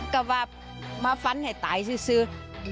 ก็ว่ามาฟันให้ตายซื้อ